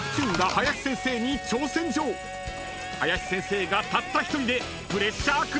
［林先生がたった１人でプレッシャークロックに挑む！］